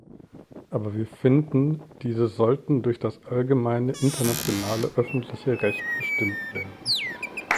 Aber wir finden, diese sollten durch das allgemeine internationale öffentliche Recht bestimmt werden.